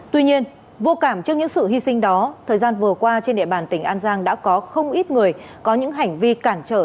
tuy nhiên vô cảm trước những sự hy sinh đó thời gian vừa qua trên địa bàn tỉnh an giang đã có không ít người có những hành vi cản trở